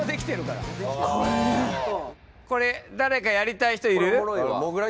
これ誰かやりたい人いる？